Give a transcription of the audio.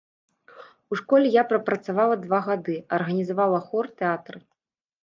У школе я прапрацавала два гады, арганізавала хор, тэатр.